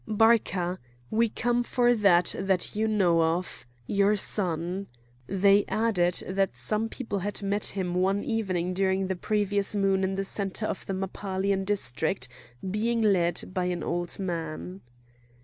"Barca! we come for that that you know of—your son!" They added that some people had met him one evening during the previous moon in the centre of the Mappalian district being led by an old man.